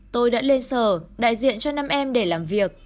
tôi đã lên sở đại diện cho năm em để làm việc